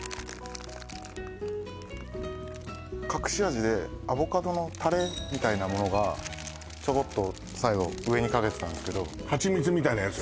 隠し味でアボカドのタレみたいなものがチョロっと最後上にかけてたんですけどハチミツみたいなやつ？